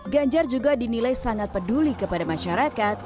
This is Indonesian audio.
ganjar juga dinilai sangat peduli kepada masyarakat